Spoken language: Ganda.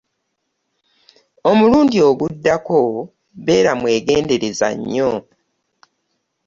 Omulundi oguddako beera mwegendereza nnyo.